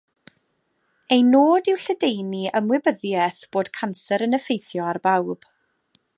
Eu nod yw lledaenu ymwybyddiaeth bod canser yn effeithio ar bawb.